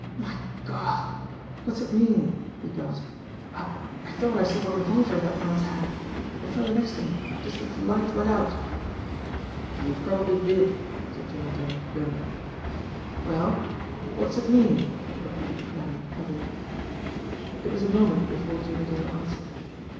"My God what's it mean!" he gasped. "I I thought I saw a revolver in that man's hand, the fellow next to me, just as the lights went out." "You probably did," said Jimmie Dale grimly. "Well what's it mean?" repeated Klanner heavily. It was a moment before Jimmie Dale answered.